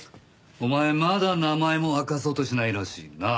お前まだ名前も明かそうとしないらしいな。